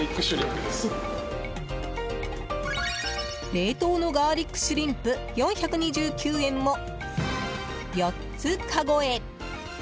冷凍のガーリックシュリンプ４２９円も、４つかごへ。